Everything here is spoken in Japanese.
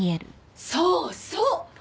そうそう！